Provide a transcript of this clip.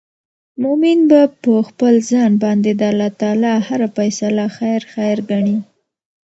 مؤمن به په خپل ځان باندي د الله تعالی هره فيصله خير خير ګڼې